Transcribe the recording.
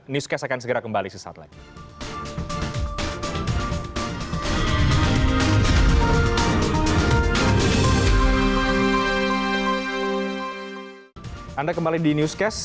niskes akan segera kembali sesaat lain